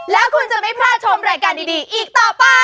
แล้วคุณจะไม่พลาดชมรายการดีอีกต่อไป